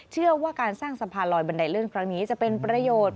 เชื่อว่าการสร้างสะพานลอยบันไดเลื่อนครั้งนี้จะเป็นประโยชน์